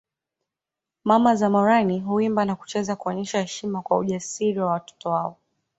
Mama za Moran huimba na kucheza kuonyesha heshima kwa ujasiri wa watoto wao